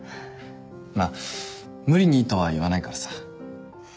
まあ無理にとは言わないからさ。